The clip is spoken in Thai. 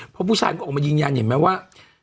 เพราะผู้ชายมันก็ออกมายืนยันเห็นไหมว่า